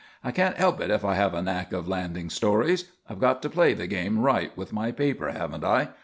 I can't help it if I have a knack of landing stories. I've got to play the game right with my paper, haven't I?